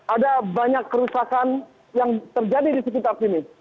ada banyak kerusakan yang terjadi di sekitar sini